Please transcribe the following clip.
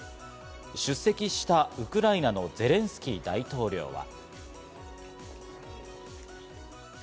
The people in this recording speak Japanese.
出席したウクライナのゼレンスキー大統領は。